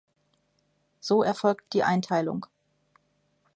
So erfolgt die Einteilung.